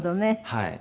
はい。